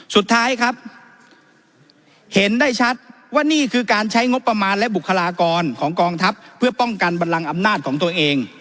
สุดท้ายครับเห็นได้ชัดว่านี่คือการใช้งบประมาณและบุคลากรของกองทัพเพื่อป้องกันบันลังอำนาจของตัวเอง